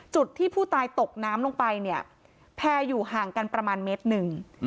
จุดที่ผู้ตายตกน้ำลงไปเนี่ยแพร่อยู่ห่างกันประมาณเมตรหนึ่ง